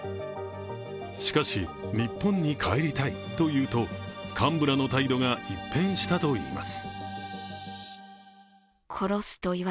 しかし、日本に帰りたいと言うと幹部らの態度が一変したといいます。